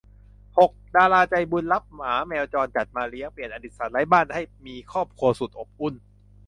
หก ดาราใจบุญรับหมาแมวจรจัดมาเลี้ยง เปลี่ยนอดีตสัตว์ไร้บ้านให้มีครอบครัวสุดอบอุ่น